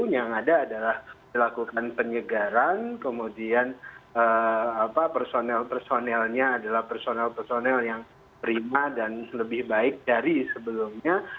yang ada adalah dilakukan penyegaran kemudian personel personelnya adalah personel personel yang prima dan lebih baik dari sebelumnya